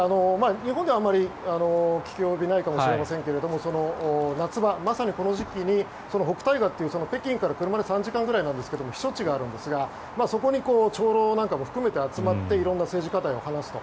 日本ではあまり聞き及びないかもしれませんが夏場、まさにこの時期に北戴河という北京から車で３時間ぐらいなんですが避暑地があるんですがそこに長老も含めて集まって色んな政治課題を話すと。